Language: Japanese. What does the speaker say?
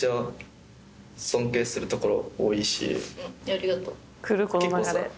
ありがと。